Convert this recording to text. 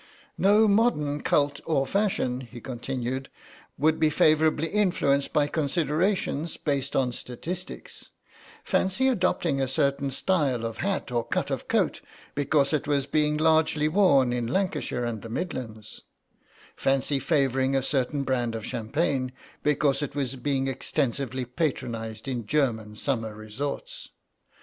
"No modern cult or fashion," he continued, "would be favourably influenced by considerations based on statistics; fancy adopting a certain style of hat or cut of coat, because it was being largely worn in Lancashire and the Midlands; fancy favouring a certain brand of champagne because it was being extensively patronised in German summer resorts.